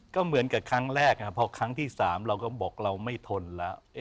ก็เหมือนกับครั้งแรกพอครั้งที่๓เราก็บอกเราไม่ทนแล้ว